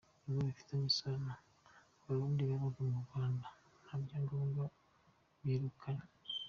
Inkuru bifitanye isano: Abarundi babaga mu Rwanda nta byangombwa birukanywe.